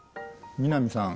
南さん